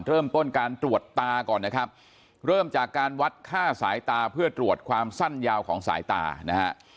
เริ่มต้นการตรวจตาก่อนนะครับเริ่มจากการวัดค่าสายตาเพื่อตรวจความสั้นยาวของสายตานะฮะ